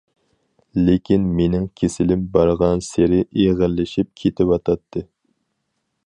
لېكىن مېنىڭ كېسىلىم بارغانسېرى ئېغىرلىشىپ كېتىۋاتاتتى.